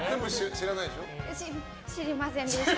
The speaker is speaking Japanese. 知りませんでした。